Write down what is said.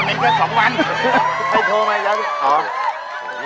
รับคุณสิ่งหรือ